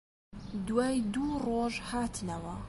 دوای دوو ڕۆژ هاتنەوە